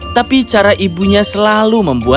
tapi cara ibunya selalu membuat